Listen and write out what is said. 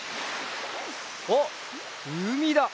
あっうみだ！